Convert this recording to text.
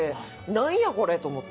なんやこれ！と思って。